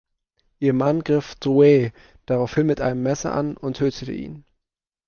Ihr Mann griff Drouet daraufhin mit einem Messer an und tötete ihn.